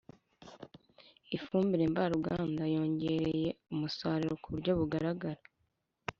Ifumbire mvaruganda yongereye umusaruro kuburyro bugeregara